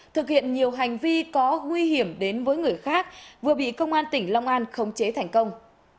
thực hiện nhiều hành vi có nguy hiểm đến với người khác vừa bị công an tỉnh long an khống chế thành công